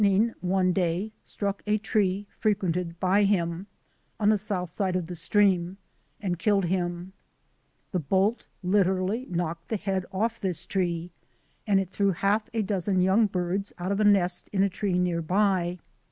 1 p WAITING IN THE WILDERNESS 33 one day struck a tree frequented by him, on the south side of the stream, and killed him. The bolt literally knocked the head off this tree and it threw half a dozen young birds out of a nest in a tree near by.